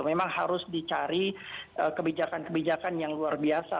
memang harus dicari kebijakan kebijakan yang luar biasa